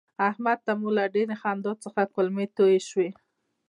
احمد ته مو له ډېرې خندا څخه کولمې توی شوې.